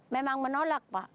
memang menolak pak